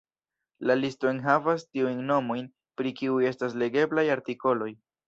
La listo enhavas tiujn nomojn, pri kiuj estas legeblaj artikoloj.